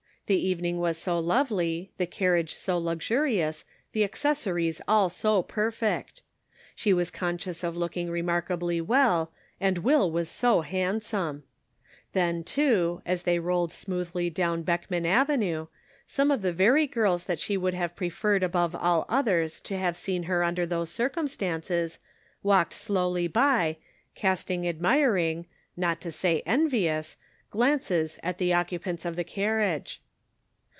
The evening was so lovely, the car riage so luxurious, the accessories all so perfect ; she was conscious of looking re markably well, and Will was so handsome ! Then, too, as they rolled smoothly down Beck man avenue, some of the very girls that she would have preferred above all others to have seen her under those circumstances, walked slowly by, casting admiring — not to say envious — glances at the occupants of the carriage.